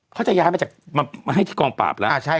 เขาจะย้ายมาจากมาให้ที่กองปราบแล้ว